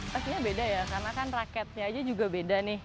pastinya beda ya karena kan raketnya aja juga beda nih